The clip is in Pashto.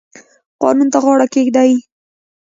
قانون ته غاړه کیږدئ